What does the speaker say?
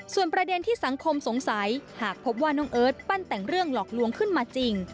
ส่วนประเด็นที่สังคมสงสัยหากพบว่าน้องเอิร์ทปั้นแต่งเรื่องหลอกลวงขึ้นมาจริง